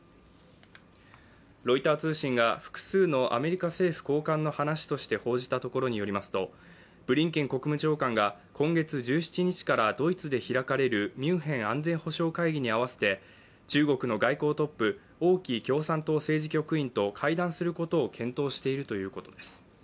ロイター通信が複数のアメリカ政府高官の話として報じたところによりますとブリンケン国務長官が今月１７日からドイツで開かれるミュンヘン安全保障会議に合わせて中国の外交トップ、王毅共産党政治局員と会談することを検討しているということです。